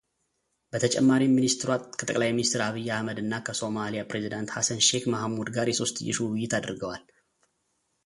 በተጨማሪም ሚኒስትሯ ከጠቅላይ ሚኒስትር ዐቢይ አሕመድና ከሶማሊያ ፕሬዚዳንት ሀሰን ሼክ መሐሙድ ጋር የሶስትዮሽ ውይይት አድርገዋል፡፡